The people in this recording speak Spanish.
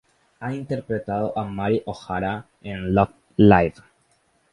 Ha interpretado a Mari Ohara en Love Live!